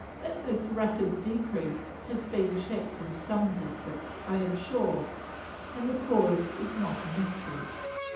That this rapid decrease has been checked in some districts, I am sure, and the cause is not a mystery.